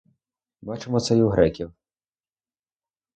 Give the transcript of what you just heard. Бачимо це й у греків.